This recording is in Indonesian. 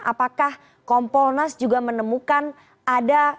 apakah kompolnas juga menemukan ada